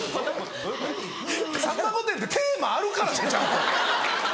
『さんま御殿‼』ってテーマあるからねちゃんと。